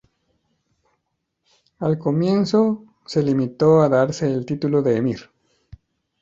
Al comienzo, se limitó a darse el título de emir.